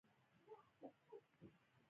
عاجزي د لوړو خلکو ځانګړنه ده.